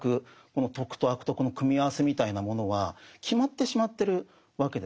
この「徳」と「悪徳」の組み合わせみたいなものは決まってしまってるわけですね。